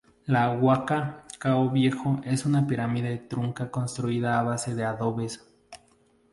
La Huaca Cao Viejo es una pirámide trunca construida a base de adobes.